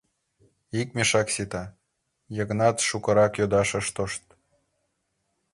— Ик мешак сита, — Йыгнат шукырак йодаш ыш тошт.